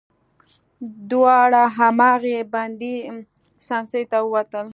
دواړه هماغې بندې سمڅې ته ووتل.